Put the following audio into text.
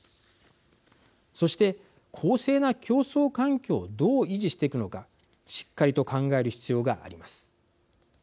そして、公正な競争環境をどう維持していくのかしっかりと考える必要があります。